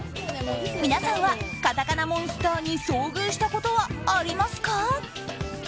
皆さんはカタカナモンスターに遭遇したことはありますか？